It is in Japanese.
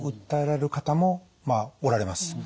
訴えられる方もおられます。